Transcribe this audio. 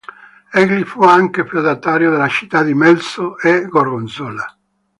Egli fu anche feudatario delle città di Melzo e Gorgonzola.